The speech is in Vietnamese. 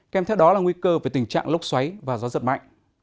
kèm theo đó là nguy cơ về tình trạng lốc xoáy và gió giật mạnh